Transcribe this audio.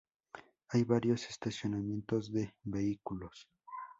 Hay varios estacionamientos de vehículos.